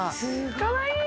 かわいい！